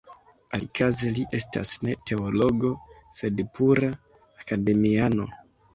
Alikaze li estas ne teologo sed pura akademiano.